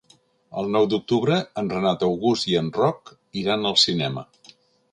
El nou d'octubre en Renat August i en Roc iran al cinema.